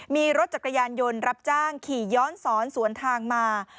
มีรถจักรยานยนต์รับจ้างขี่ย้อนสอนสวนทางมา